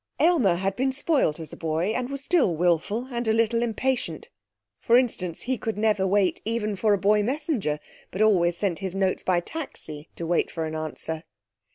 Aylmer had been spoilt as a boy and was still wilful and a little impatient. For instance he could never wait even for a boy messenger, but always sent his notes by taxi to wait for an answer.